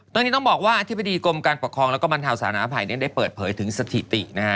ตอนนี้ต้องบอกว่าอธิบดีกรมการปกครองแล้วก็บรรเทาสาธารณภัยได้เปิดเผยถึงสถิตินะฮะ